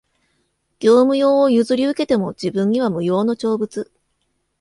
業務用を譲り受けても、自分には無用の長物